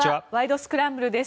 スクランブル」です。